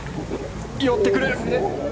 寄ってくる！